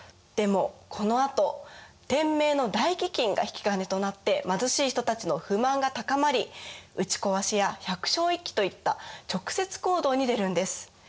でもこのあと天明の大飢饉が引き金となって貧しい人たちの不満が高まり打ちこわしや百姓一揆といった直接行動に出るんです。